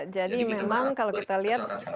jadi kita mau beri kesan